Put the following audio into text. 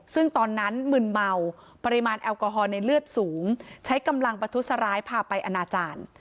ซึ่งตอนนั้นมึนเมาปริมาณแอลกอฮอล์ในเลือดสูงใช้กำลังประทุษร้ายพาไปอนาจารย์